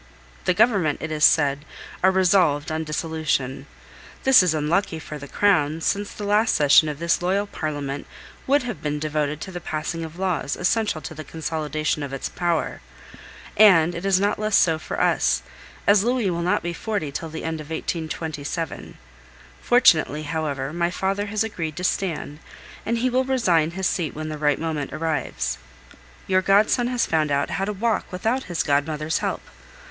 The Government, it is said, are resolved on dissolution. This is unlucky for the Crown, since the last session of this loyal Parliament would have been devoted to the passing of laws, essential to the consolidation of its power; and it is not less so for us, as Louis will not be forty till the end of 1827. Fortunately, however, my father has agreed to stand, and he will resign his seat when the right moment arrives. Your godson has found out how to walk without his godmother's help.